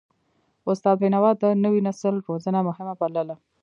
استاد بینوا د نوي نسل روزنه مهمه بلله.